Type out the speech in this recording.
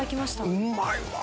うまいわ。